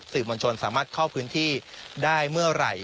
สื่อมวลชนสามารถเข้าพื้นที่ได้เมื่อไหร่